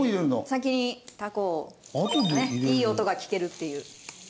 先にタコをいい音が聞けるっていう。